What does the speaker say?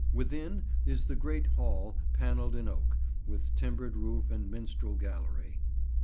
Within is the Great Hall, panelled in oak, with timbered roof and minstrel gallery.